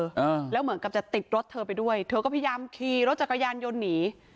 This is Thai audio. อ่าแล้วเหมือนกับจะติดรถเธอไปด้วยเธอก็พยายามขี่รถจักรยานยนต์หนี